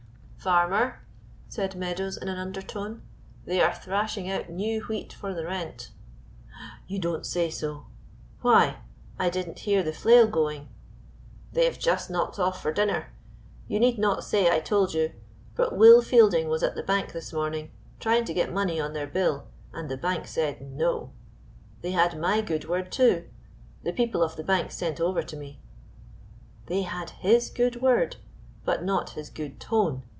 "Farmer," said Meadows, in an undertone, "they are thrashing out new wheat for the rent." "You don't say so? Why I didn't hear the flail going." "They have just knocked off for dinner you need not say I told you, but Will Fielding was at the bank this morning, trying to get money on their bill, and the bank said No! They had my good word, too. The people of the bank sent over to me." They had his good word! but not his good tone!